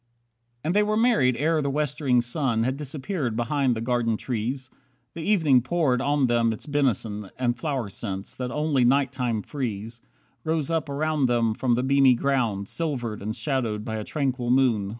42 And they were married ere the westering sun Had disappeared behind the garden trees. The evening poured on them its benison, And flower scents, that only night time frees, Rose up around them from the beamy ground, Silvered and shadowed by a tranquil moon.